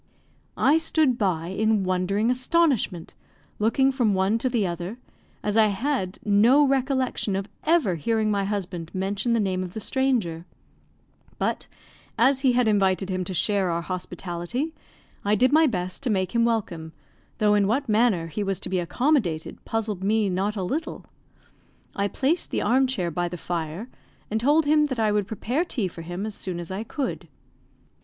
I stood by in wondering astonishment, looking from one to the other, as I had no recollection of ever hearing my husband mention the name of the stranger; but as he had invited him to share our hospitality, I did my best to make him welcome though in what manner he was to be accommodated puzzled me not a little. I placed the arm chair by the fire, and told him that I would prepare tea for him as soon as I could.